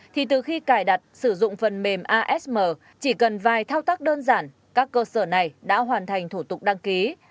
thì từ khi cài đặt sử dụng phần mềm asm chỉ cần vài thao tác đơn giản các cơ sở này đã hoàn thành thủ tục đăng ký